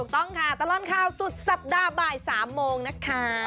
ต้องค่ะตลอดข่าวสุดสัปดาห์บ่าย๓โมงนะคะ